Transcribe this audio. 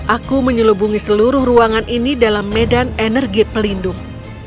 aku menyelubungi seluruh ruangan ini dalam medan energi pelindung